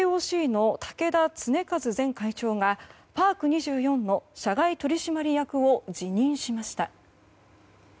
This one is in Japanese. ＪＯＣの竹田恒和前会長がパーク２４の社外取締役を辞任しました。